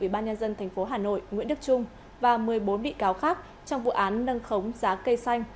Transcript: ubnd tp hcm nguyễn đức trung và một mươi bốn vị cáo khác trong vụ án nâng khống giá cây xanh